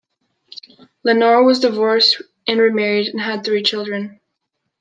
Lenoir was divorced and remarried, and had three children.